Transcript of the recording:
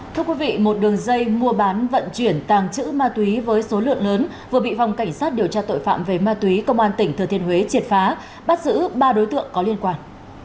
thưa quý vị một đường dây mua bán vận chuyển tàng trữ ma túy với số lượng lớn vừa bị phòng cảnh sát điều tra tội phạm về ma túy công an tỉnh thừa thiên huế triệt phá bắt giữ ba đối tượng có liên quan